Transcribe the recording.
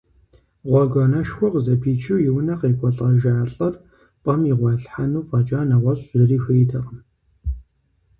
Гъуэгуанэшхуэ къызэпичу и унэ къекӏуалӏэжа лӏыр пӏэм игъуэлъхьэну фӏэкӏа нэгъуэщӏ зыри хуейтэкъым.